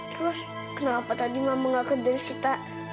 terus kenapa tadi mama gak kerja sita